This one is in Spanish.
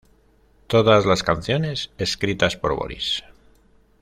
Todas las canciones escritas por Boris.